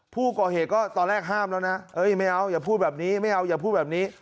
ผู้ก่อเหตุก็ตอนแรกห้ามแล้วนะไม่เอาอย่าพูดแบบนี้ไม่เอาอย่าพูดแบบนี้